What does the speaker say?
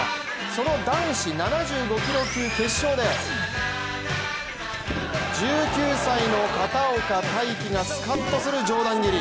その男子７５キロ級決勝で１９歳の片岡大樹がスカッとする上段蹴り。